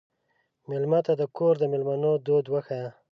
مېلمه ته د کور د مېلمنو دود وښیه.